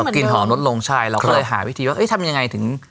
กลิ่นหอมลดลงใช่เราก็เลยหาวิธีว่าทำยังไงถึง